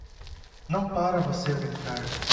Não para você brincar